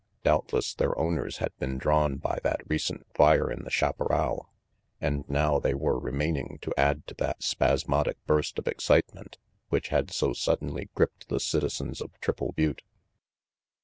Doubtless their owners had been drawn by that recent fire in the chaparral and now they were remaining to add to that spasmodic burst of excite ment which had so suddenly gripped the citizens of Triple Butte.